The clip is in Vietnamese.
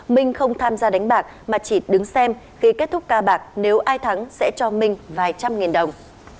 minh không tham gia đánh bạc mà chỉ đứng xem khi kết thúc ca bạc nếu ai thắng sẽ cho minh vài trăm nghìn đồng